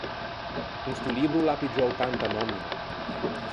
Con sto libbro o l’à piggiou tanta nòmina.